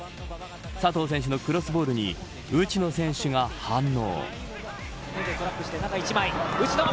佐藤選手のクロスボールに内野選手が反応。